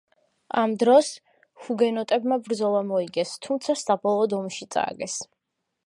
ამ დროს ჰუგენოტებმა ბრძოლა მოიგეს, თუმცა საბოლოოდ ომი წააგეს.